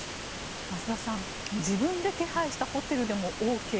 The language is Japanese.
増田さん、自分で手配したホテルでもＯＫ。